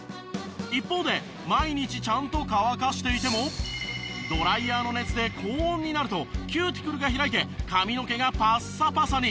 一方で毎日ちゃんと乾かしていてもドライヤーの熱で高温になるとキューティクルが開いて髪の毛がパッサパサに。